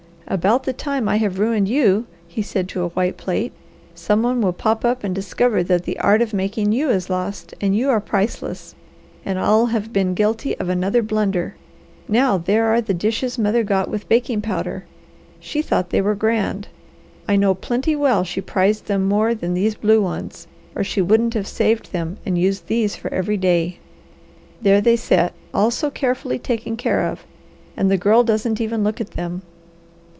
"About the time I have ruined you," he said to a white plate, "some one will pop up and discover that the art of making you is lost and you are priceless, and I'll have been guilty of another blunder. Now there are the dishes mother got with baking powder. She thought they were grand. I know plenty well she prized them more than these blue ones or she wouldn't have saved them and used these for every day. There they set, all so carefully taken care of, and the Girl doesn't even look at them.